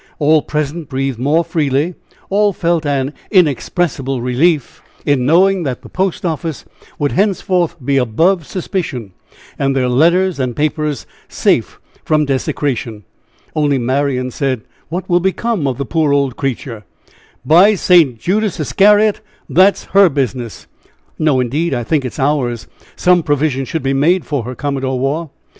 All present breathed more freely all felt an inexpressible relief in knowing that the post office would henceforth be above suspicion, and their letters and papers safe from, desecration. Only Marian said: "What will become of the poor old creature?" "By St. Judas Iscariot, that's her business." "No, indeed, I think it is ours; some provision should be made for her, Commodore Waugh."